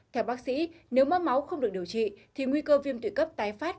theo bác sĩ nếu máu máu không được điều trị thì nguy cơ viêm tụy cấp tái phát